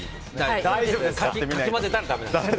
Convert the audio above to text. かき混ぜたらダメなんですね。